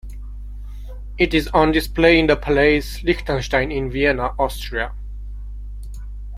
It is on display in the Palais Liechtenstein in Vienna, Austria.